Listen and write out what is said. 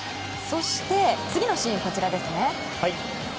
そして、次のシーンですね。